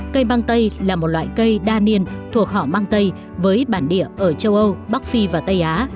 cây mang tây là một loại cây đa niên thuộc họ mang tây với bản địa ở châu âu bắc phi và tây á